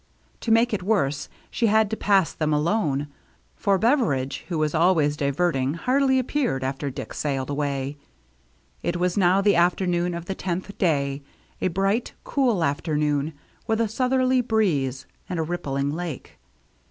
To make it worse, she had to pass them alone, for Bever idge, who was always diverting, hardly appeared after Dick sailed away. It was now the after noon of the tenth day, a bright, cool afternoon with a southerly breeze and a rippling lake.